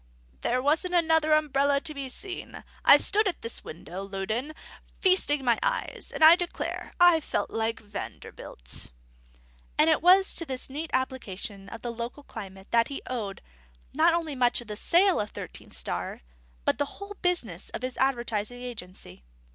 "There wasn't another umbrella to be seen. I stood at this window, Loudon, feasting my eyes; and I declare, I felt like Vanderbilt." And it was to this neat application of the local climate that he owed, not only much of the sale of Thirteen Star, but the whole business of his advertising agency.